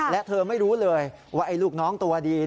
และเธอไม่รู้เลยว่าไอ้ลูกน้องตัวดี